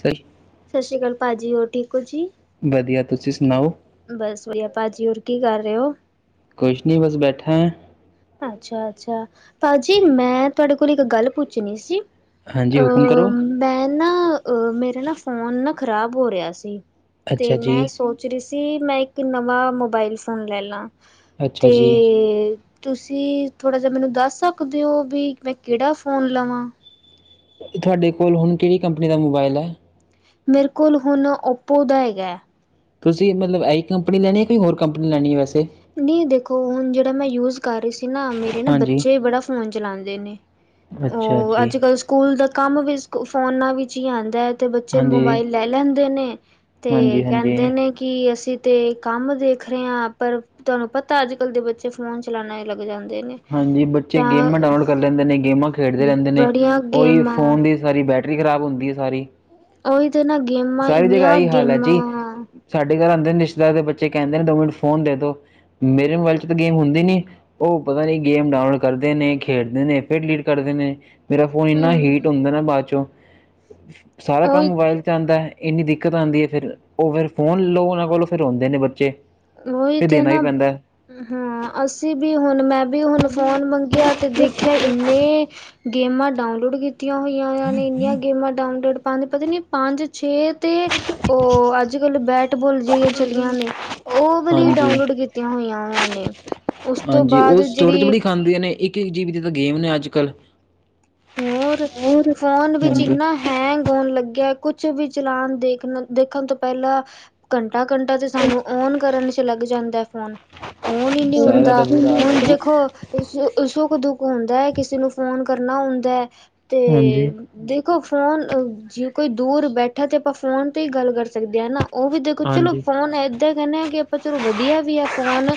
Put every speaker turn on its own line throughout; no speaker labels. ਸਸ
ਸਸ ਸ਼੍ਰੀ ਕਾਲ ਭਾਜੀ ਹੋਰ ਠੀਕ ਹੋ ਜੀ।
ਵਧੀਆ ਤੁਸੀਂ ਸੁਨਾਓ?
ਬਸ ਵਧੀਆ ਭਾਜੀ। ਹੋਰ ਕੀ ਕਰ ਰਏ ੳ?
ਕੁੱਛ ਨੀ ਬਸ ਬੈਠਾ ਹਾਂ।
ਅੱਛਾ-ਅੱਛਾ। ਭਾਜੀ ਮੈਂ ਤੁਹਾਡੇ ਕੋਲ ਇੱਕ ਗੱਲ ਪੁੱਛਨੀ ਸੀ।
ਹਾਂਜੀ
ਅ
ਹੁਕਮ ਕਰੋ
ਮੈਂ ਨਾ ਅ ਮੇਰੇ ਨਾ ਫੋਨ ਨਾ ਖ਼ਰਾਬ ਹੋ ਰਿਆ ਸੀ ਤੇ
ਅੱਛਾ
ਮੈਂ
ਜੀ
ਸੋਚ ਰਈ ਸੀ ਮੈਂ ਇੱਕ ਨਵਾਂ ਮੋਬਾਇਲ ਫੋਨ ਲੈਲਾ।
ਅੱਛਾ
ਤੇ
ਜੀ
ਤੁਸੀਂ ਥੋੜਾ ਜੇਆ ਮੈਨੂੰ ਦੱਸ ਸਕਦੇ ਹੋ ਬੀ ਮੈਂ ਕੇੜਾ ਫੋਨ ਲਵਾਂ?
ਤੁਹਾਡੇ ਕੋਲ ਹੁਨ ਕੇੜੀ ਕੰਪਨੀ ਦਾ ਮੋਬਾਇਲ ਐ।
ਮੇਰੇ ਕੋਲ ਹੁਨ ੳਪੋ ਦਾ ਹੈਗੈ।
ਤੁਸੀਂ ਮਤਲੱਬ ਐਹੀ ਕੰਪਨੀ ਲੈਨੀ ਏ ਕੋਈ ਹੋਰ ਕੰਪਨੀ ਲੈਨੀ ਏ ਵੈੇਸੇ।
ਨਈ ਦੇਖੋ ਹੁਨ ਜੇੜਾ ਮੈਂ ਯੂਜ਼ ਕਰ ਰਈ ਸੀ ਨਾ, ਮੇਰੇ ਨਾ
ਹਾਂਜੀ
ਬੱਚੇ ਬੜਾ ਫ਼ੋਨ ਚਲਾਨਦੇ ਨੇ।
ਅੱਛਾ
ਉਹ
ਜੀ।
ਅੱਜ ਕੱਲ੍ਹ ਸਕੂਲ ਦਾ ਕੰਮ ਵੀ ਫੋਨਾਂ ਵਿੱਚ ਈ ਆਂਦਾ ਏ ਤੇ ਬੱਚੇ
ਹਾਂਜੀ
ਮੋਬਾਈਲ ਲੈ ਲੈਂਦੇ ਨੇ। ਤੇ
ਹਾਂਜੀ ਹਾਂਜੀ
ਕੈਂਦੇ ਨੇ ਕੀ ਅਸੀਂ ਤੇ ਕੰਮ ਦੇਖ ਰਹੇ ਆਂ ਪਰ ਤੁਆਨੂੰ ਪਤਾ ਅੱਜ ਕੱਲ੍ਹ ਦੇ ਬੱਚੇ ਫੋਨ ਚਲਾਨਾ ਈ ਲੱਗ ਜਾਂਦੇ ਨੇ।
ਹਾਂਜੀ ਬੱਚੇ
ਤਾਂ
ਗੇਮਾਂ ਡਾਊਨਲੋਡ ਕਰ ਲੈਂਦੇ ਨੇ ਗੇਮਾਂ ਖੇਡਦੇ ਰੈਂਦੇ ਨੇ
ਬੜੀਆਂ
ਉਈ
ਗੇਮਾਂ
ਫੋਨ ਦੀ ਸਾਰੀ ਬੈਟਰੀ ਖਰਾਬ ਹੁੰਦੀ ਏ ਸਾਰੀ।
ਉਈ ਤੇ ਨਾ ਗੇਮਾਂ
ਸਾਰੀ ਜਗ੍ਹਾ
ਏਨੀਆਂ
ਇਹੀ ਹਾਲ ਹੈ ਜੀ
ਗੇਮਾਂ।
ਸਾਡੇ ਘਰ ਆਂਦੇ ਨੇ ਰਿਸ਼ਤੇਦਾਰ ਦੇ ਬੱਚੇ ਕੈਂਦੇ ਨੇ ਦੋ ਮਿੰਟ ਫੋਨ ਦੇ ਦੋ, ਮੇਰੇ ਮੋਬਾਇਲ ਚੱ ਤਾਂ ਗੇਂਮ ਹੁੰਦੀ ਨੀ। ਉ ਪਤਾ ਨੀ ਗੇਮ ਡਾਊਨਲੋਡ ਕਰਦੇ ਨੇ ਖੇਡਦੇ ਨੇ ਫੇਰ ਡਿਲੀਟ ਕਰਦੇ ਨੇ। ਮੇਰਾ ਫੋਨ ਇੰਨਾ ਹੀਟ
ਹਮ
ਹੁੰਦਾ ਨਾ ਬਾਦ ਚੋਂ, ਸਾਰਾ ਕੰਮ
ਉਹੀ
ਮੋਬਾਇਲ ਆਂਦੈ ਇੰਨੀ ਦਿੱਕਤ ਆਂਦੀ ਏ ਫੇਰ, ਉ ਫੇਰ ਫੋਨ ਲਲੋ ਉਨਾਂ ਕੋਲੋਂ ਫੇਰ ਰੋਂਦੇ ਨੇ ਬੱਚੇ।
ਉਈ
ਫਿਰ
ਤੇ
ਦੇਣਾ ਹੀ
ਨਾ,
ਪੈਂਦਾ
ਹਾਂ ਅਸੀਂ ਵੀ ਹੁਨ ਮੈਂ ਵੀ ਹੁਨ ਫੋਨ ਮੰਗਿਆ ਤੇ ਦੇਖਿਆ ਇੰਨੇ ਗੇਮਾਂ ਡਾਊਨਲੋਡ ਕੀਤੀਆਂ ਹੋਈਆਂ ਕੀਤੀਆ ਹੋਇਆ ਨੇ ਇੰਨੀਆਂ ਗੇਮਾਂ ਡਾਊਨਲੋਡ ਪਾਂਦੇ ਪਤਾ ਨੀ ਪੰਜ ਛੇ ਤੇ ਉ ਅੱਜ ਕੱਲ ਬੈਟਬੋਲ ਜੇੜੀਆਂ ਚਲੀਆਂ ਨੇ ਉ ਵਾਲੀ
ਹਾਂਜੀ
ਡਾਊਨਲੋਡ ਕੀਤੀਆਂ ਹੋਈਆਂ ਉਨਾਂ ਨੇ, ਉਸ ਤੋਂ ਬਾਦ ਜੇੜੀ
ਆਂਦੀਆਂ ਨੇ ਏਕ-ਏਕ ਜੀਵੀ ਦੀ ਤਾਂ ਗੇਮ ਨੇ ਅੱਜ ਕੱਲ੍ਹ।
ਹੋਰ ਫੋਨ ਵਿੱਚ
ਹਾਂਜੀ
ਇੰਨਾ ਹੈਂਗ ਹੋਨ ਲੱਗਿਆ ਕੁਛ ਵੀ ਚਲਾਨ ਦੇਖਨ ਦੇਖਨ ਤੋਂ ਪਹਿਲਾਂ ਘੰਟਾ ਘੰਟਾ ਤੇ ਸਾਨੂੰ ਓਨ ਕਰਨ ਚ ਲੱਗ ਜਾਂਦਾ ਫੋਨ। ੳਨ ਈ ਨੀ
ਸਾਰਾ
ਹੁੰਦਾ
ਤਾਂ ਬੁਰਾ ਹਾਲ
ਹੁਨ
ਹੈ ਜੀ
ਦੇਖੋ ਸੁ ਸੁੱਖ ਦੁੱਖ ਹੁੰਦਾ ਕਿਸੇ ਨੂੰ ਫੋਨ ਕਰਨਾ ਹੁੰਦਾ ਤੇ
ਹਾਂਜੀ
ਦੇਖੋ ਫੋਨ ਜੇ ਕੋਈ ਦੂਰ ਬੈਠਾ ਤੇ ਅਪਾਂ ਫੋਨ ਤੇ ਈ ਗੱਲ ਕਰ ਸਕਦੇ ਆ ਨਾ। ਉਹ ਵੀ ਦੇਖੋ ਚਲੋ
ਹਾਂਜੀ
ਫ਼ੋਨ ਏਦਾਂ ਕਹਿੰਨੇ ਆ ਕਿ ਆਪਾਂ ਚਲੋ ਵਧੀਆ ਵੀ ਆ ਫੋਨ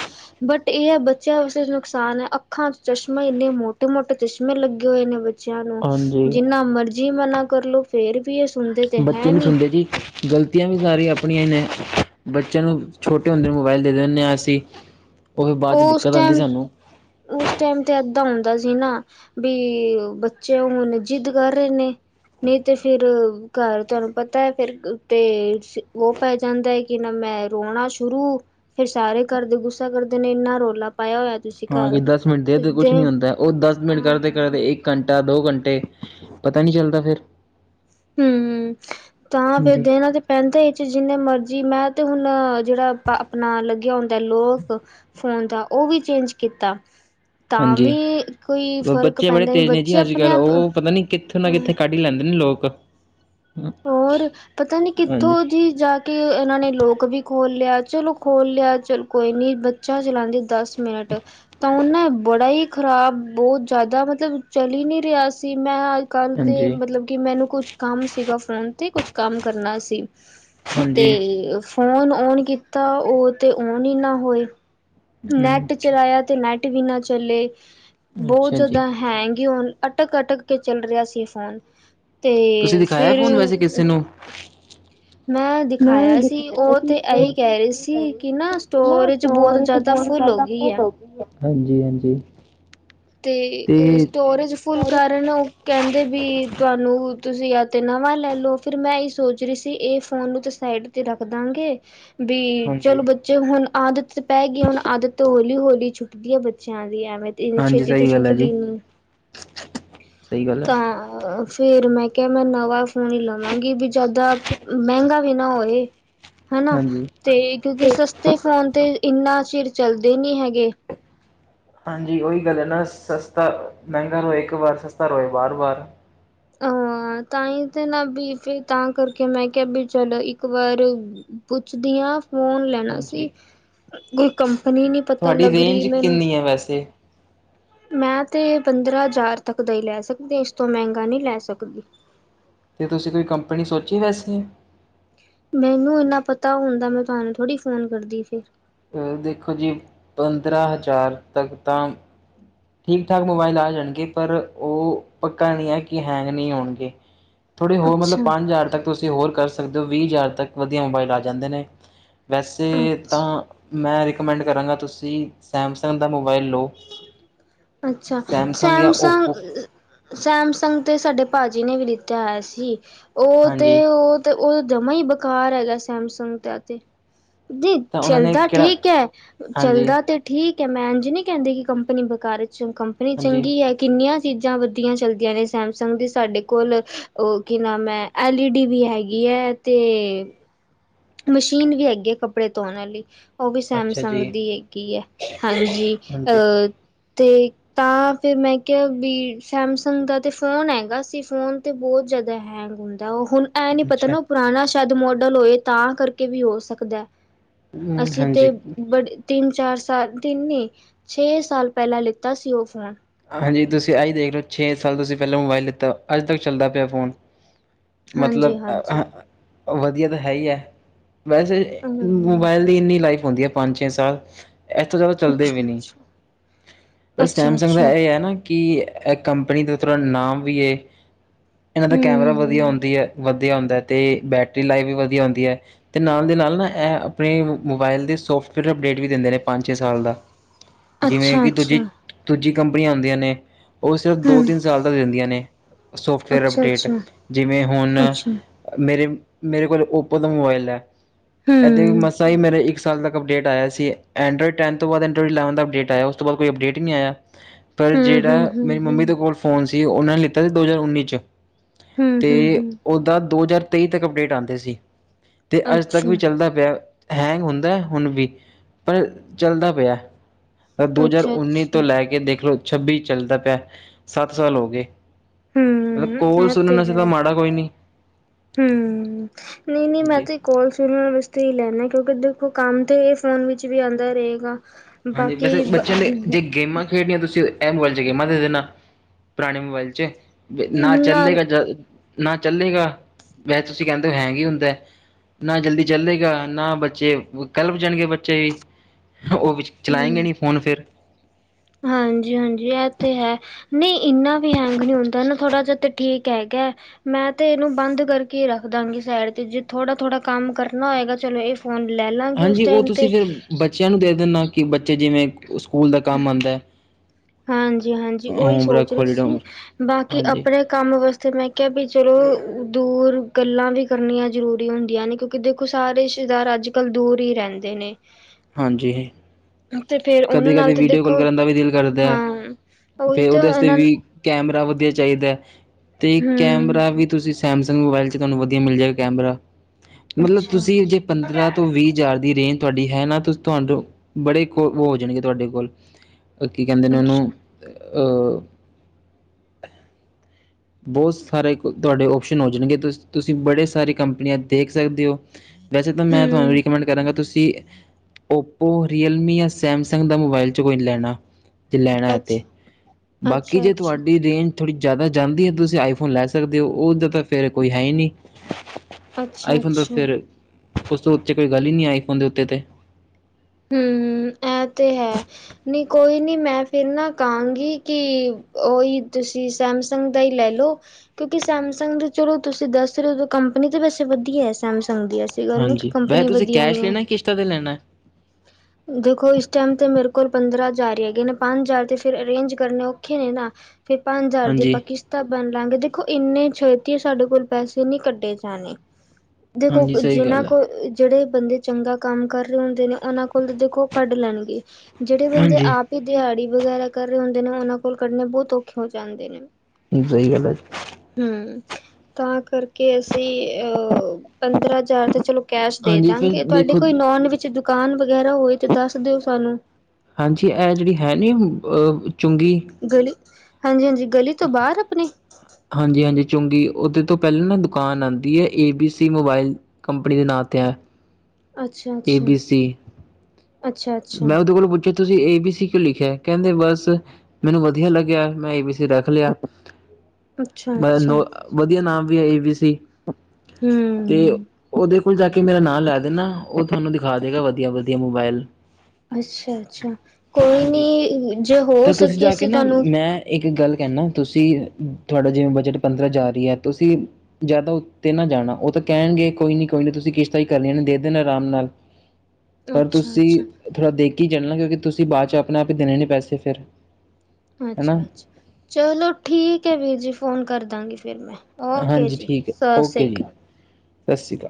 ਬਟ ਇਹ ਹੈ ਬੱਚੇਆਂ ਵਾਸਤੇ ਨੁਕਸਾਨ ਹੈ ਅੱਖਾਂ ਚ ਚਸ਼ਮਾ ਇੰਨੇ ਮੋਟੇ ਮੋਟੇ ਚਸ਼ਮੇ ਲੱਗੇ ਹੋਏ ਨੇ। ਬੱਚੇਆਂ ਨੂੰ
ਹਾਂਜੀ
ਜਿੰਨਾ ਮਰਜ਼ੀ ਮਨਾ ਕਰ ਲੋ ਫੇਰ ਵੀ ਇਹ ਸੁਨਦੇ ਤੇ
ਬੱਚੇ
ਹੈ
ਨਹੀਂ
ਨੀ।
ਸੁਣਦੇ ਜੀ ਗਲਤੀਆਂ ਵੀ ਸਾਰੀ ਆਪਣੀਆਂ ਨੇ ਬੱਚਿਆਂ ਨੂੰ ਛੋਟੇ ਹੁੰਦੇ ਮੋਬਾਇਲ ਦੇ ਦੇਨੇ ਆ ਅਸੀਂ। ਫਿਰ ਬਾਅਦ 'ਚ
ਉਹ ਉਸ
ਦਿੱਕਤ ਆਉਂਦੀ
ਟਾਈਮ
ਸਾਨੂੰ
ਉਸ ਟਾਈਮ ਤੇ ਏਦਾ ਹੁੰਦਾ ਸੀ ਨਾ ਬੀ ਬੱਚੇ ਹੁਨ ਜਿੱਦ ਕਰ ਰਏ ਨੇ ਨਹੀਂ ਤੇ ਫੇਰ ਘਰ ਤੁਹਾਨੂੰ ਪਤਾ ਫੇਰ ਤੇ ਫੇ ਉਹ ਪੈ ਜਾਂਦਾ ਕਿ ਨਾ ਮੈਂ ਰੋਣਾ ਸ਼ੁਰੂ ਫੇਰ ਸਾਰੇ ਘਰਦੇ ਗੁੱਸਾ ਕਰਦ ਦਿਨ ਇੰਨਾ ਰੋਲਾ ਪਾਇਆ ਹੋਇਆ। ਤੁਸੀਂ
ਹਾਂ
ਘਰ
ਕਿ ਦੱਸ ਮਿੰਟ ਦੇ ਦੇ ਕੁਛ ਨੀ ਹੁੰਦਾ ਉਹ ਦੱਸ ਮਿੰਟ ਕਰਦੇ
ਹਮ
ਕਰਦੇ ਇਕ ਘੰਟਾ ਦੋ ਘੰਟੇ ਪਤਾ ਨਹੀਂ ਚੱਲਦਾ ਫੇਰ।
ਹੁ ਤਾਂ ਫੇਰ
ਜੀ
ਦੇਣਾ ਤ ਪੈਂਥ ਇਚ ਜਿੰਨੇ ਮਰਜ਼ੀ ਮੈਂ ਤੇ ਹੁਨ ਜਿਹੜਾ ਅਪਨਾ ਲੱਗਿਆ ਹੁੰਦਾ ਲੋਕ ਫੋਨ ਦਾ ਉਹ ਵੀ ਚੇਂਜ ਕੀਤਾ। ਤਾਂ
ਹਾਂਜੀ
ਵੀ ਕੋਈ ਫ਼ਰਕ
ਬੱਚੇ ਬੜੇ
ਪੈਂਦਾ ਨਹੀਂ
ਤੇਜ਼ ਨੇ
ਬੱਚੇ
ਜੀ ਅੱਜ
ਆਪਣੇ
ਕੱਲ੍ਹ
ਆਪ
ਉਹ ਪਤਾ ਨੀ ਕਿੱਥੇ ਨਾ
ਹਮ
ਕਿੱਥੇ ਕੱਢ ਲੈਂਦੇ ਨੇ ਲੋਕ। ਹਾਂ,
ਹੋਰ ਪਤਾ ਨੀ
ਹਾਂਜੀ
ਕਿੱਥੋਂ ਦੀ ਜਾ ਕਿ ਇਹਨਾਂ ਨੇ ਲੋਕ ਵੀ ਖੋਲ੍ਹ ਲਿਆ ਚਲੋ ਖੋਲ੍ਹ ਲਿਆ ਚਲ ਕੋਈ ਨਹੀਂ ਬੱਚਾ ਚਲਾਂਦੇ ਦੱਸ ਮਿੰਟ। ਤਾਂ ਉਹਨਾਂ ਬੜਾ ਹੀ ਖ਼ਰਾਬ ਬੋਤ ਜੈਦਾ ਮਤਲਬ ਚਲੀ ਨਹੀਂ ਰਿਹਾ ਸੀ ਮੈਂ ਕੱਲ ਤੇ
ਹਾਂਜੀ
ਮਤਲਬ ਕੀ ਮੈਨੂੰ ਕੁਛ ਕੰਮ ਸੀਗਾ ਫੋਨ ਤੇ ਕੁਛ ਕੰਮ ਕਰਨਾ ਸੀ। ਤੇ
ਹਾਂਜੀ
ਫੋਨ ਓਨ ਕੀਤਾ ਉਹ ਤੇ ਓਨ ਈ ਨਾ ਹੋਏ‌।
ਹਮ,
ਨੈਟ ਚਲਾਇਆ ਤੇ ਨੈਟ ਵੀ ਨਾ ਚੱਲੇ ਬੋਤ
ਅੱਛਾ ਜੀ
ਜੈਦਾ ਹੈਂਗ ਹੀ ਹੋਨ ਅਟਕ ਅਟਕ ਕੇ ਚੱਲ ਰਿਹਾ ਸੀ ਫੋਨ ਤੇ ਫੇਿਰ
ਹਮ। [unintelligible]
ਮੈਂ ਦਿਖਾਇਆ ਸੀ ਉਹ ਤੇ ਇਹੀ ਕਹਿ ਰਹੀ ਸੀ ਕਿ ਨਾ ਸਟੋਰਜ ਬੋਤ ਜੈਦਾ ਤਾਂ ਫੁੱਲ ਹੋ ਗਈ ਏ।
ਹਾਂਜੀ ਹਾਂਜੀ।
ਤੇ ਸਟੋਰੇਜ ਫੁੱਲ ਕਾਰਨ ਉਹ ਕਹਿੰਦੇ ਵੀ ਤੁਹਾਨੂੰ ਤੁਸੀਂ ਯਾ ਤੇ ਨਵਾਂ ਲੈ ਲਓ ਫਿਰ ਮੈਂ ਇਹ ਸੋਚ ਰਹੀ ਸੀ ਇਹ ਫੋਨ ਨੂੰ ਤੇ ਸਾਈਡ‍ ਰੱਖਦਾਂਗੇ ਬੀ
ਹਾਂਜੀ
ਚਲੋ ਬ ਜੇ ਹੁਨ ਆਦਤ ਪੈ ਗਈ ਹੁਨ ਆਦਤ ਹੌਲੀ ਹੌਲੀ ਛੁਟਦੀ ਹੈ ਬੱਚਿਆਂ ਦੀ ਐਵੇ।
ਹਾਂਜੀ
ਛੇਤੀ ਤੇ
ਸਹੀ ਗੱਲ ਹੈ ਜੀ
ਛੁੱਟਦੀ ਨਹੀਂ
ਸਹੀ ਗੱਲ ਹੈ
ਤਾਂ ਫੇਰ ਮੈਂ ਕਿਹਾ ਮੈਂ ਨਵਾਂ ਫੋਨ ਹੀ ਲਵਾਂਗੀ ਵੀ ਜੈਦਾ ਮਹਿੰਗਾ ਵੀ ਨਾ ਹੋਏ। ਹਨਾ
ਹਾਂਜੀ
ਤੇ ਕਿਉਂਕਿ ਸਸਤੇ ਫੋਨ ਤੇ ਇੰਨਾ ਚਿਰ ਚੱਲਦੇ ਨੀ ਹੈਗੇ।
ਹਾਂਜੀ ਓਹੀ ਗੱਲ ਏ ਨਾ ਸਸਤਾ ਮਹਿੰਗਾ ਰੋਏ ਇੱਕ ਵਾਰ ਸਸਤਾ ਰੋਏ ਵਾਰ ਵਾਰ।
ਹਾਂ ਤਾਂ ਹੀ ਤੇ ਨਾ ਵੀ ਫਿਰ ਤਾਂ ਕਰਕੇ ਮੈਂ ਕਿਹਾ ਵੀ ਚਲੋ ਇੱਕ ਵਾਰ ਪੁੱਛਦੀ ਆਂ ਫੋਨ ਲੈਣਾ
ਹਾਂਜੀ
ਸੀ ਕੋਈ ਕੰਪਨੀ ਨੀ ਪਤਾ
ਤੁਹਾਡੀ
ਲੱਗ ਰੀ
ਰੇਂਜ
ਮੈਨੂੰ।
ਕਿੰਨੀ ਹੈ ਵੈਸੇ
ਮੈਂ ਤੇ ਪੰਦਰਾਂ ਹਜ਼ਾਰ ਤੱਕ ਦਾ ਈ ਲੈ ਸਕਦੀ ਇਸ ਤੋਂ ਮਹਿੰਗਾ ਨਹੀ ਲੈ ਸਕਦੀ।
ਤੇ ਤੁਸੀਂ ਕੋਈ ਕੰਪਨੀ ਸੋਚੀ ਵੈਸੇ?
ਮੈਨੂੰ ਏਨਾ ਪਤਾ ਹੁੰਦਾ, ਮੈਂ ਤੁਆਨੂੰ ਥੋੜੀ ਫੋਨ ਕਰਦੀ ਫੇਰ।
ਅ ਦੇਖੋ ਜੀ ਪੰਦਰਾਂ ਹਜ਼ਾਰ ਤੱਕ ਤਾ ਠੀਕ ਠਾਕ ਮੋਬਾਇਲ ਆ ਜਾਣਗੇ, ਪਰ ਓ ਪੱਕਾ ਨੀ ਏ ਕਿ ਹੈਂਗ ਨੀ ਹੋਣਗੇ। ਥੋੜ੍ਹੇ ਹੋਰ ਮਤਲਬ
ਅੱਛਾ
ਪੰਜ ਹਜ਼ਾਰ ਤੱਕ ਤੁਸੀਂ ਹੋਰ ਕਰ ਸਕਦੇ ਓ ਵੀਹ ਹਜ਼ਾਰ ਤੱਕ ਵਦੀਆ ਮੋਬਾਈਲ ਆ ਜਾਂਦੇ ਨੇ। ਵੈਸੇ ਤਾਂ
ਅੱਛਾ
ਮੈਂ ਰਿਕਮੈਂਡ ਕਰਾਂਗਾ ਤੁਸੀਂ ਸੈਮਸੰਗ ਦਾ ਮੋਬਾਇਲ ਲੋ।
ਅੱਛਾ,
ਜਾਂ ਓਪੋ
ਸੈਮਸੰਗ ਸੈਮਸੰਗ ਤੇ ਸਾਡੇ ਪਾਜੀ ਨੇ ਵੀ ਲਿਤਾ ਹੋਆ ਸੀ ਓ ਤੇ
ਹਾਂਜੀ,
ਓ ਤੇ ਓ ਜਮਾਂ ਈ ਬੇਕਾਰ ਹੈਗਾ ਸੈਮਸੰਗ ਦਾ ਤੇ। ਜੀ
ਤਾਂ ਉਹਨਾਂ ਨੇ
ਚਲਦਾ
ਕਿਹੜਾ
ਠੀਕ ਏ,
ਹਾਂਜੀ,
ਚਲਦਾ ਤੇ ਠੀਕ ਏ ਮੈਂ ਐਂਜ ਨੀ ਕੇਂਦੀ ਕਿ ਕੰਪਨੀ ਬਕਾਰ ਏ ਚ ਕੰਪਨੀ
ਹਾਂਜੀ,
ਚੰਗੀ ਏ ਕਿੰਨੀਆਂ ਚੀਜ਼ਾਂ ਵਦੀਆ ਚੱਲਦੀਆਂ ਨੇ ਸੈਮਸੰਗ ਦੀ ਸਾਡੇ ਕੋਲ ਓ ਕੀ ਨਾਮ ਐ ਐੱਲ ਈ ਡੀ ਵੀ ਹੈਗੀ ਐ ਤੇ ਮਸ਼ੀਨ ਵੀ ਹੈੱਗੀ ਏ ਕੱਪੜੇ ਧੋਣ ਆਲੀ। ਓ ਵੀ
ਅੱਛਾ
ਸੈਮਸੰਗ
ਜੀ,
ਦੀ ਹੈਗੀ ਐ ਹਾਂਜੀ
ਹਾਂਜੀ,
ਅ ਤੇ ਤਾਂ ਫੇਰ ਮੈਂ ਕੇਆ ਵੀ ਸੈਮਸੰਗ ਦਾ ਤੇ ਫੋਨ ਹੈਗਾ ਸੀ, ਫੋਨ ਤੇ ਬੋਤ ਜ਼ਿਆਦਾ ਹੈਂਗ ਹੁੰਦ ਦੈ, ਹੁਨ ਐ ਨੀ ਪਤਾ
ਅੱਛਾ।
ਨਾ ਓ ਪੁਰਾਨਾ ਸ਼ਾਇਦ ਮੋਡਲ ਹੋਏ ਤਾਂ ਕਰਕੇ ਵੀ ਹੋ ਸਕਦੈ।
ਹੂੰ,
ਅਸੀਂ ਤੇ
ਹਾਂਜੀ।
ਬੜ ਤਿੰਨ-ਚਾਰ ਸਾਲ, ਤਿੰਨ ਨੀ ਛੇ ਸਾਲ ਪੇਲਾਂ ਲਿੱਤਾ ਸੀ ਓ ਫੋਨ।
ਹਾਂਜੀ ਤੁਸੀਂ ਆਈ ਦੇਖ ਲੋ ਛੇ ਸਾਲ ਤੁਸੀਂ ਪੇਲਾਂ ਮੋਬਾਈਲ ਲਿੱਤਾ ਆਜ ਤੱਕ ਚੱਲਦਾ ਪਯਾ ਫੋਨ। ਮਤਲਬ,
ਹਾਂਜੀ ਹਾਂਜੀ
ਹਾ ਵਦੀਆ ਤਾਂ ਹੈ ਈ ਐ ਵੈਸੇ
ਹਮ
ਮੋਬਾਇਲ ਦੀ ਇੰਨੀ ਲਾਈਫ ਹੁੰਦੀ ਐ ਪੰਜ-ਛੇ ਸਾਲ। ਏਸ ਤੋ ਜਾਦਾ ਚੱਲਦੇ ਵੀ
ਅੱਛਾ
ਨੀ
ਅੱਛਾ
ਪਰ ਸੈਮ
ਅੱਛਾ ਅੱਛਾ
ਏ ਨਾ ਕਿ ਐ ਕੰਪਨੀ ਦਾ ਥੋੜਾ ਨਾਮ ਵੀ ਏ। ਏਨਾਂ ਦਾ ਕੈਮਰਾ ਵਦੀਆ
ਹਮ
ਹੁੰਦੀ ਏ, ਵਦੀਆ ਹੁੰਦਾ ਏ ਤੇ ਬੈਟਰੀ ਲਾਈਫ ਵੀ ਵਦੀਆ ਹੁੰਦੀ ਐ। ਤੇ ਨਾਲ ਦੀ ਨਾਲ ਨਾ ਐ ਅਪਨੇ ਮੋਬਾਇਲ ਦੇ ਸੋਫਟਵੇਅਰ ਅਪਡੇਟ ਵੀ ਦੇਂਦੇ ਨੇ ਪੰਜ-ਛੇ ਸਾਲ ਦਾ।
[inaudible]
ਜਿਵੇਂ ਕਿ ਦੂਜੀ,
ਅੱਛਾ
ਦੂਜੀ ਕੰਪਨੀਆਂ ਹੋਂਦੀਆਂ ਨੇ। ਓ ਸਿਰਫ ਦੋ
ਹਮ
ਤਿੰਨ ਸਾਲ ਦਾ ਦੇਂਦੀਆਂ ਨੇ ਸੋਫਟਵੇਅਰ
ਅੱਛਾ
ਅਪਡੇਟ
ਅੱਛਾ
ਜਿਵੇਂ ਹੁਨ
ਅੱਛਾ
ਮੇਰੇ, ਮੇਰੇ ਕੋਲ ਓਪੋ ਦਾ ਮੋਬਾਈਲ ਐ, ਏਦੇ
ਹਮ
ਮਸਾਂ ਈ ਮੇਰੇ ਇੱਕ ਸਾਲ ਤੱਕ ਅਪਡੇਟ ਆਇਆ ਸੀ, ਐਡਰਾਇਡ ਟੈਨ ਤੋਂ ਬਾਦ ਐਂਡਰਾਇਡ ਇਲੇਵਨ ਦਾ ਅਪਡੇਟ ਆਇਆ, ਉਸ ਤੋਂ ਬਾਦ ਕੋਈ ਅਪਡੇਟ ਈ ਨੀ ਆਇਆ। ਪਰ
ਹਮ
ਜੇੜਾ
ਹਮ ਹਮ
ਮੇਰੀ ਮੰਮੀ
ਹਮ
ਦੇ ਕੋਲ ਫੋਨ ਸੀ, ਓਨਾ ਲਿੱਤਾ ਸੀ ਦੋ ਹਜ਼ਾਰ ਉੱਨੀ 'ਚ।
ਹਮ ਹਮ
ਤੇ
ਹਮ
ਓਦਾ ਦੋ ਹਜ਼ਾਰ ਤੇਈ ਤੱਕ ਅਪਡੇਟ ਆਂਦੇ ਸੀ। ਤੇ ਅੱਜ ਤੱਕ
ਅੱਛਾ
ਵੀ ਚੱਲਦਾ ਪਯਾ ਹੈਂਗ ਹੁੰਦੈ ਹੁਨ ਵੀ ਪਰ ਚੱਲਦਾ ਪਯਾ। ਤਾਂ ਦੋ ਹਜ਼ਾਰ
ਅੱਛਾ
ਉੱਨੀ ਤੋਂ
ਅੱਛਾ
ਲੈ ਕੇ ਦੇਖਲੋ ਛੱਬੀ ਚੱਲਦਾ ਪਯਾ ਸੱਤ ਸਾਲ ਹੋ ਗੇ। ਮਤਲਬ
ਹਮ
ਕੋਲ
ਇਹ
ਸੁਨਨ ਅਸਤੇ ਤੇ ਮਾੜਾ ਕੋਈ ਨੀ।
ਹੂੰ, ਨਈ-ਨਈ ਮੈਂ ਤੇ ਕੋਲ ਸੁਨਨ ਵਸਤੇ ਈ ਲੈਂਨਾ ਕਿਉਂਕਿ ਦੇਖੋ ਕਾਮ ਤੇ ਏ ਫੋਨ ਵਿੱਚ ਵੀ ਆਂਦਾ ਰਏਗਾ‌।
ਹਾਂਜੀ, ਵੈਸੇ ਬੱਚੇਆਂ ਦੇ ਜੇ ਗੇਮਾਂ ਖੇਡਨੀਆਂ ਤੁਸੀਂ ਐ ਮੋਬਾਇਲ 'ਚ ਗੇਮਾਂ ਦੇ ਦੇਨਾ ਪੁਰਾਨੇ ਮੋਬਾਇਲ 'ਚ। ਨਾ ਚੱਲੇਗਾ ਜਾ, ਨਾ ਚੱਲੇਗਾ ਵੈਸੇ ਤੁਸੀਂ ਕੇਂਦੇ ਓ ਹੈਂਗ ਈ ਹੁੰਦੈ। ਨਾ ਜਲਦੀ ਚੱਲੇਗਾ, ਨਾ ਬੱਚੇ ਕੱਲਪ ਜਾਨਗੇ ਬੱਚੇ ਵੀ ਓ ਚਲਾਏਂਗੇ ਨੀ ਫੋਨ ਫੇਰ।
ਹਾਂਜੀ-ਹਾਂਜੀ ਐ ਤੇ ਹੈ। ਨੀ ਇਨਾ ਵੀ ਹੈਂਗ ਨੀ ਹੁੰਦਾ ਨਾ, ਥੋੜਾ ਜਾ ਤੇ ਠੀਕ ਹੈਗਾ ਐ। ਮੈਂ ਤੇ ਏਨੂੰ ਬੰਦ ਕਰਕੇ ਰੱਖਦਾਂਗੀ ਸਾਈਡ ਤੇ ਜੇ ਥੋੜਾ ਥੋੜਾ ਕਾਮ ਕਰਨਾ ਹੋਏਗਾ ਚਲੋ ਇ ਫੋਨ ਲੈ ਲਾਂਗੇ ਉਸ
ਹਾਂਜੀ ਉਹ
ਟਾਈਮ
ਤੁਸੀਂ
ਤੇ।
ਫਿਰ ਬੱਚਿਆਂ ਨੂੰ ਦੇ ਦਿੰਦਾ ਕਿ ਬੱਚੇ ਜਿਵੇਂ ਸਕੂਲ ਦਾ ਕੰਮ ਆਉਂਦਾ ਹੈ
ਹਾਂਜੀ ਹਾਂਜੀ ਉਹੀ ਸੋਚ ਰਹੀ ਸੀ
ਹੋਮਵਰਕ
ਬਾਕੀ
ਹਾਂਜੀ
ਆਪਣੇ ਕੰਮ ਵਾਸਤੇ ਮੈਂ ਕਿਹਾ ਵੀ ਚਲੋ ਦੂਰ ਗੱਲਾਂ ਵੀ ਕਰਨੀਆਂ ਜ਼ਰੂਰੀ ਹੁੰਦੀਆਂ ਨੇ ਕਿਉਂਕਿ ਦੇਖੋ ਸਾਰੇ ਰਿਸ਼ਤੇਦਾਰ ਅੱਜ ਕੱਲ੍ਹ ਦੂਰ ਹੀ ਰਹਿੰਦੇ ਨੇ
ਹਾਂਜੀ
ਤੇ ਫੇਰ
ਕਦੇ
ਉਹਨਾਂ ਨਾਲ
ਕਦੇ
ਤੇ
ਵੀਡੀਓ
ਦੇਖੋ
ਕਾਲ ਕਰਨ ਦਾ ਵੀ ਦਿਲ ਕਰਦਾ ਹੈ
ਹਾਂ ਉਹੀ
ਫੇਿਰ ਉਹਦੇਤੇ
ਤਾਂ
ਵਾਸਤੇ
ਇਹਨਾਂ
ਵੀ ਕੈਮਰਾ ਵਧੀਆ ਚਾਹੀਦਾ ਹੈ ਤੇ ਕੈਮਰਾ
ਹੂੰ
ਵੀ ਤੁਸੀਂ ਸੈਮਸਗ ਮੋਬਾਇਲ ਚ ਤੁਹਾਨੂੰ ਵਧੀਆ ਮਿਲ ਜਾਏਗਾ ਕੈਮਰਾ ਮਤਲਬ ਤੁਸੀਂ ਜੇ
ਅੱਛਾ-ਅੱਛਾ
ਪੰਦਰਾਂ ਤੋਂ ਵੀਹ ਹਜ਼ਾਰ ਦੀ ਰੇਂਜ ਤੁਹਾਡੀ ਹੈ ਨਾ ਤੁਸੀ ਤੁਹਾਡ ਬੜੇ ਕੋ ਉਹ ਹੋ ਜਾਣਗੇ ਤੁਹਾਡੇ ਕੋਲ ਕੀ ਕਹਿੰਦੇ ਨੇ ਉਹਨੂੰ ਅਹ ਬਹੁਤ ਸਾਰੇ ਤੁਹਾਡੇ ਓਪਸ਼ਨ ਹੋ ਜਾਣਗੇ ਤੁ ਤੁਸੀਂ ਬੜੇ ਸਾਰੇ ਕੰਪਨੀਆਂ ਦੇਖ ਸਕਦੇ ਹੋ ਵੈਸੇ ਤਾਂ ਮੈਂ ਤੁਹਾਨੂੰ
ਹੂੰ,
ਰਿਕਮੈਂਡ ਕਰਾਂਗਾ ਤੁਸੀਂ ਓਪੋ ਰੀਅਲਮੀ ਜਾਂ ਸੈਮਸੰਗ ਦਾ ਮੋਬਾਇਲ 'ਚ ਕੋਈ ਲੈਣਾ ਜੈ ਲੈਣਾ ਹੈ ਤੇ
ਅੱਛਾ,
ਬਾਕੀ
ਅੱਛਾ,
ਜੇ
ਅੱਛਾ।
ਤੁਹਾਡੀ ਰੇਂਜ ਥੋੜੀ ਜ਼ਿਆਦਾ ਜਾਂਦੀ ਹੈ ਤੁਸੀਂ ਆਈਫੋਨ ਲੈ ਸਕਦੇ ਹੋ ਉਹਦਾ ਤਾਂ ਫਿਰ ਕੋਈ ਹੈ ਹੀ ਨਹੀਂ
ਅੱਛਾ,
ਆਈਫੋਨ ਤਾਂ
ਅੱਛਾ ਹੂੰ,
ਫਿਰ ਉਸ ਤੋਂ ਉਤੇ ਕੋਈ ਗੱਲ ਹੀ ਨਹੀਂ ਆਈਫੋਨ ਦੇ ਉੱਤੇ ਤੇ
ਹਮ ਇਹ ਤੇ ਹੈ ਨਹੀਂ ਕੋਈ ਨਹੀਂ ਮੈਂ ਫਿਰ ਨਾ ਕਹਾਂਗੀ ਕਿ ਉਓਹੀ ਤੁਸੀਂ ਸੈਮਸ ਸੰ ਦੇਈ ਲੈ ਲ ਲੋ ਕਿਉਂਕਿ ਸੈਮਸੰਗ ਦੇ ਚਲੋ ਤੁਸੀਂ ਦੱਸ ਰਹੇ ਹੋ ਕੰਪਨੀ ਤਾਂ ਵੈਸੇ ਵਧੀਆ ਹੈ ਸੈਮਸੰਗ ਦੀ ਅਸੀ ਐਸੇ ਗੱਲ ਨਹੀਂ ਕੰਪਨੀ ਵਧੀਆ ਨਹੀਂ ਹੈ
ਕਿ ਦੇ ਲੈਣਾ
ਦੇਖੋ ਇਸ ਟਾਈਮ ਤੇ ਮੇਰੇ ਕੋਲ ਪੰਦਰਾਂ ਹਜ਼ਾਰ ਹੀ ਹੈਗੇ ਨੇ ਪੰਜ ਹਜ਼ਾਰ ਤੇ ਫਿਰ ਅਰੇਂਜ ਕਰਨੇ ਔਖੇ ਨੇ ਨਾ ਫਿਰ ਪੰਜ ਹਜ਼ਾਰ ਦੀ ਆਪ
ਹਾਂਜੀ
ਕਿਛਤ ਤਾਂ ਬਣ ਲਾਂਗੇ ਦੇਖੋ ਇੰਨੇ ਛੇਤੀ ਸਾਡੇ ਕੋਲ ਪੈਸੇ ਨਹੀਂ ਕੱਢੇ ਜਾਣੇ ਦੇਖੋ
ਹਾਂਜੀ ਸਹੀ
ਜਿਨਾਂ
ਗੱਲ ਹੈ
ਕੋਲ ਜਿਹੜੇ ਬੰਦੇ ਚੰਗਾ ਕੰਮ ਕਰ ਰਹੇ ਹੁੰਦੇ ਨੇ ਉਹਨਾਂ ਕੋਲ ਦੇਖੋ ਕੱਢ ਲੈਣਗੇ ਜਿਹੜੇ ਬੰਦੇ
ਹਾਂਜੀ
ਆਪ ਵੀ ਦਿਹਾੜੀ ਵਗੈਰਾ ਕਰ ਰਹੇ ਹੁੰਦੇ ਨੇ ਉਹਨਾਂ ਕੋਲ ਕੱਢਣੇ ਬਹੁਤ ਔਖੇ ਹੋ ਜਾਂਦੇ ਨੇ
ਸਹੀ ਗੱਲ ਹੈ
ਹਮ ਤਾਂ ਕਰਕੇ ਅਸੀਂ ਅਹ ਪੰਦਰਾਂ ਹਜ਼ਾਰ ਤੇ ਚਲੋ ਕੈਸ਼ ਦੇ
ਹਾਂਜੀ ਫਿਰ
ਦਾਂਗੇ ਤੁਹਾਡੇ
ਦੇਖੋ
ਕੋਈ ਨੋਨ ਵਿੱਚ ਦੁਕਾਨ ਵਗੈਰਾ ਹੋਵੇ ਤੇ ਦੱਸ ਦਿਓ ਸਾਨੂੰ
ਹਾਂਜੀ ਇਹ ਜਿਹੜੀ ਹੈ ਨੀ ਅ ਚੁੰਗੀ
ਗਲੀ ਹਾਂਜੀ ਹਾਂਜੀ ਗਲੀ ਤੋਂ ਬਾਹਰ ਆਪਣੇ
ਹਾਂਜੀ ਹਾਂਜੀ ਚੁੰਗੀ ਉਹਦੇ ਤੋਂ ਪਹਿਲਾਂ ਨਾ ਦੁਕਾਨ ਆਉਂਦੀ ਹੈ A B C mobile company ਦੇ ਨਾਂ 'ਤੇ ਹੈ
ਅੱਛਾ ਅੱਛਾ
ਮੈਂ ਉਹਦੇ ਕੋਲੋਂ ਪੁੱਛਿਆ ਤੁਸੀਂ ਏ ਬੀ ਸੀ ਕਿਉਂ ਲਿਖਿਆ ਕਹਿੰਦੇ ਬੱਸ ਮੈਨੂੰ ਵਧੀਆ ਲੱਗਿਆ ਮੈਂ ਏ ਬੀ ਸੀ ਰੱਖ ਲਿਆ ਮ ਨ
ਅੱਛਾ-ਅੱਛਾ
ਵਧੀਆ ਨਾਮ ਵੀ ਇਹ ਵੀ ਸੀ ਤੇ
ਹੂੰ।
ਉਹਦੇ ਲ ਜਾ ਕੇ ਮੇਰਾ ਨਾਂ ਲੈ ਦੇਨਾ ਉਹ ਤੁਹਾਨੂੰ ਦਿਖਾ ਦੇਗਾ ਵਧੀਆ ਵਧੀਆ ਮੋਬਾਇਲ
ਅੱਛਾ ਅੱਛਾ ਕੋਈ
ਹਾਂਜੀ।
ਨੀ ਜੇ ਹੋ
ਤਾਂ ਤੁਸੀਂ
ਸਕੇ
ਜਾ ਕੇ
ਅਸੀਂ
ਨਾ
ਤੁਹਾਨੂੰ
ਮੈਂ ਇੱਕ ਗੱਲ ਕਹਿੰਨਾ, ਤੁਸੀਂ ਤੁਹਾਡਾ ਜਿਵੇਂ ਬਜਟ ਪੰਦਰਾਂ ਹਜਾਰ ਹੀ ਹੈ ਤੁਸੀਂ ਜ਼ਿਆਦਾ ਉੱਤੇ ਨਾ ਜਾਣਾ ਉ ਤਾਂ ਕਹਿਣਗੇ ਕੋਈ ਨੀ-ਕੋਈ ਨੀ, ਤੁਸੀਂ ਕਿਸ਼ਤਾ ਹੀ ਕਰੀਆਂ ਨੇ ਦੇ ਦੇਣਾ ਆਰਾਮ ਨਾਲ।
[inaudible]
ਪਰ
ਅੱਛਾ-ਅੱਛਾ,
ਤੁਸੀਂ ਥੋੜ੍ਹਾ ਦੇਖ ਕੇ ਹੀ ਚਲਣਾ ਕਿਉਂਕਿ ਤੁਸੀਂ ਬਾਅਦ ਚ ਆਪਣੇ-ਆਪ ਹੀ ਦੇਣੇ ਨੇ ਪੈਸੇ ਫਿਰ ਹੈ ਨਾ
ਅੱਛਾ-ਅੱਛਾ, ਚਲੋ ਠੀਕ ਹੈ ਵੀਰ ਜੀ ਫ਼ੋਨ ਕਰ ਦਾਂਗੀ ਫਿਰ ਮੈਂ। ਓਕੇ
ਹਾਂਜੀ,
ਜੀ
ਠੀਕ ਹੈ,
ਸਤਿ
ਓਕੇ
ਸ਼੍ਰੀ
ਜੀ
ਅਕਾਲ।
ਸਤਿ ਸ਼੍ਰੀ ਅਕਾਲ।